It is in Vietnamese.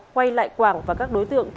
quay lại quảng và các đối tượng